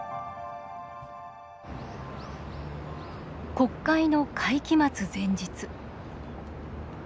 国会の会期末前日。